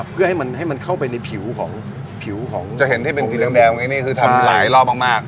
เพื่อให้มันเข้าไปในผิวของจะเห็นที่เป็นสีแดงอย่างนี้คือทำหลายรอบมาก